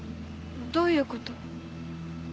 どういうこと？